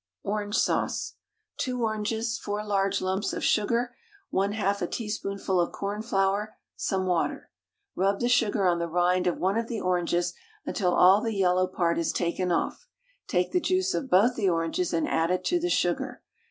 ORANGE SAUCE 2 oranges, 4 large lumps of sugar, 1/2 a teaspoonful of cornflour, some water. Rub the sugar on the rind of one of the oranges until all the yellow part is taken off; take the juice of both the oranges and add it to the sugar.